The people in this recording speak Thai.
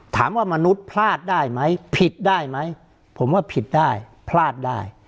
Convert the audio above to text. ถามว่ามนุษย์พลาดได้ไหมผิดได้ไหมผมว่าผิดได้พลาดได้